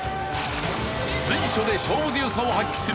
随所で勝負強さを発揮する